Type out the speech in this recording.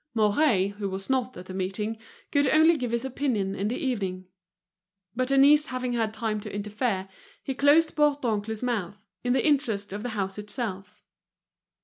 Mouret, who was not at the meeting, could only give his opinion in the evening. But Denise having had time to interfere, he closed Bourdoncle's mouth, in the interest of the house itself.